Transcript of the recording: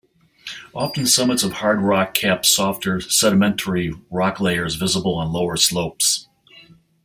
Often, summits of hard rock cap softer sedimentary rock layers visible on lower slopes.